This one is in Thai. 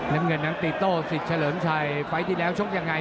น้ำเงินน้ำตีโต้สิทธิ์เฉลิมชัยไฟล์ที่แล้วชกยังไง